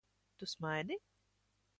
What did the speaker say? Tu smaidi?